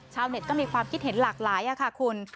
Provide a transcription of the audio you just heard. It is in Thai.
ชาวเน็ตก็มีความคิดเห็นหลากหลายค่ะคุณ